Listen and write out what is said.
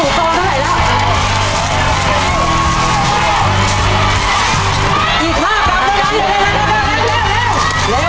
เวลามาเร็ว